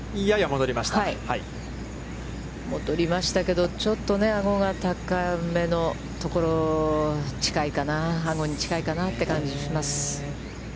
戻りましたけどちょっとアゴが高めのところ、近いかな、アゴに近いかなという感じがします。